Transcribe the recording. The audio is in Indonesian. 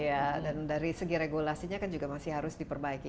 iya dan dari segi regulasinya kan juga masih harus diperbaiki